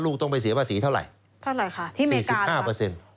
ลูกต้องไปเสียภาษีเท่าไหร่